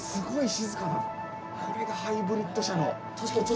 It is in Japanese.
これがハイブリッド車の。